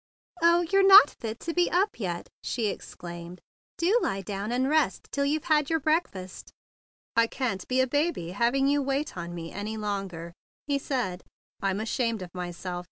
"Oh, you're not fit to be up yet!" she exclaimed. "Do lie down and rest till you've had your breakfast." "I can't be a baby having you wait on me any longer," he said. "I'm ashamed of myself.